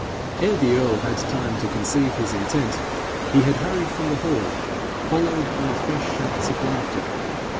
Ere the earl had time to conceive his intent, he had hurried from the hall, followed by fresh shouts of laughter.